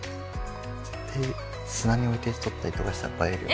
絶対砂に置いて撮ったりとかしたら映えるよ。